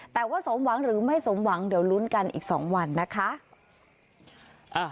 แต่ว่าสมหวังหรือไม่สมหวังเดี๋ยวลุ้นกันอีก๒วันนะคะ